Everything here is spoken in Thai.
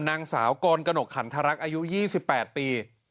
นางสาวกรกนกขันทรรักอายุ๒๘ปี